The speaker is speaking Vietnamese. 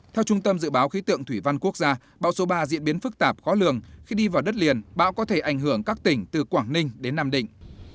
theo trung tâm dự báo khí tượng thủy văn quốc gia bão số ba diễn biến phức tạp khó lường khi đi vào đất liền bão có thể ảnh hưởng các tỉnh từ quảng ninh đến nam định